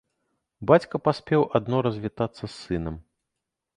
Бацька паспеў адно развітацца з сынам.